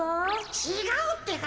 ちがうってか。